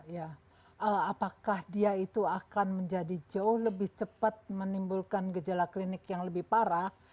ya apakah dia itu akan menjadi jauh lebih cepat menimbulkan gejala klinik yang lebih parah